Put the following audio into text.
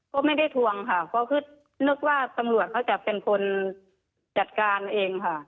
ก็ไม่ได้ทวงค่ะก็คือนึกว่าตำรวจเขาจะเป็นคนจัดการเองค่ะ